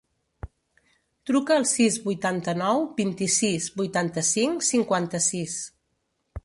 Truca al sis, vuitanta-nou, vint-i-sis, vuitanta-cinc, cinquanta-sis.